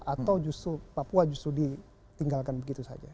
atau justru papua justru ditinggalkan begitu saja